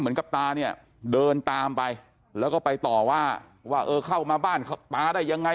เหมือนกับตาเนี่ยเดินตามไปแล้วก็ไปต่อว่าว่าเออเข้ามาบ้านตาได้ยังไง